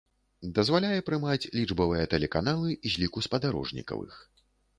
Дазваляе прымаць лічбавыя тэлеканалы з ліку спадарожнікавых.